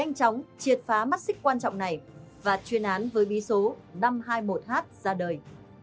nhanh chóng triệt phá mắt xích quan trọng này và chuyên án với bí số năm trăm hai mươi một h ra đời